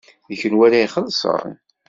D kenwi ara ixellṣen?